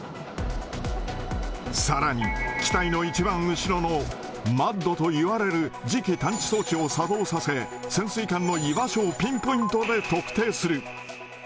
さらに、期待の一番後ろのマッドといわれる磁気探知装置を作動させ、潜水艦の居場所をピンポイントで特定する。